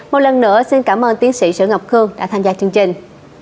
một lần nữa xin cảm ơn tiến sĩ sở ngọc khương đã tham gia chương trình